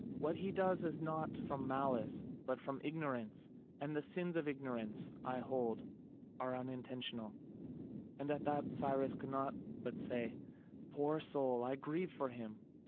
What he does is not done from malice, but from ignorance; and the sins of ignorance, I hold, are unintentional.'" And at that Cyrus could not but say: "Poor soul! I grieve for him."